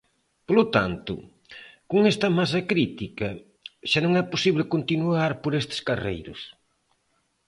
Polo tanto, con esta masa crítica, xa non é posible continuar por estes carreiros.